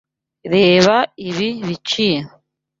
Reba ibi biciro.